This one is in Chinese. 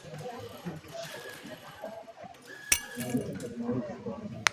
该微压波可能产生令人非常不愉悦的微压波噪音。